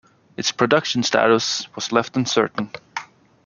Its production status was left uncertain.